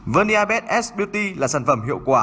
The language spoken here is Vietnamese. verniabed s beauty là sản phẩm hiệu quả